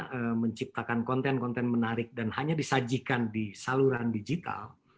karena menciptakan konten konten menarik dan hanya disajikan di saluran digital